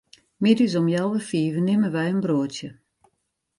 Middeis om healwei fiven nimme wy in broadsje.